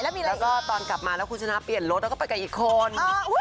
แล้วก็ตอนกลับมาแล้วคุณชนะเปลี่ยนรถแล้วก็ไปกับอีกคน